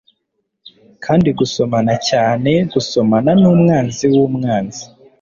Kandi gusomana cyane gusomana numwanzi wumwanzi